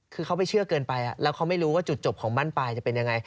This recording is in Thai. คือเขาไปเชื่อเกินไปแล้วเขาไม่รู้ว่าจุดจบของบ้านปลายจะเป็นยังไง